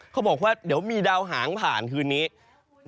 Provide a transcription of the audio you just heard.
เขาบอกว่าเดี๋ยวมีดาวหางผ่านคืนนี้